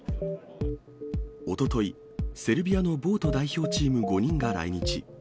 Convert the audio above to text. おととい、セルビアのボート代表チーム５人が来日。